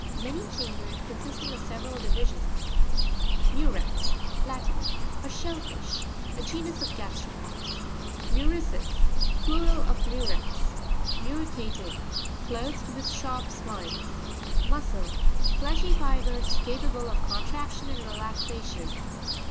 Many chambered ; consisting of several divisions. Mu'rex. — Latin. A shell fish, A genus of gasteropods. Mvu'ricres.—Plural of Murex. Mo'ricarep. — Clothed with sharp spines. Mo'scrr.—Fleshy fibres capable of contraction and relaxation.